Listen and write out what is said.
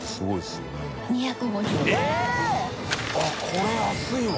これ安いわ！